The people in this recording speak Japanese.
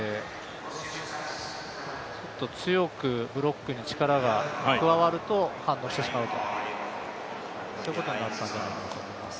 ちょっと強くブロックに力が加わると反応してしまうということになったんじゃないかと思います。